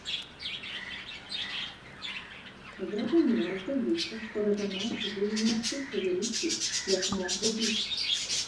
Зразумела, здаецца, што рэзананс быў не настолькі вялікі, як мог бы быць.